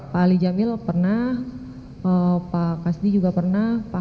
pak ali jamil pernah pak kasdi juga pernah pak haku juga pernah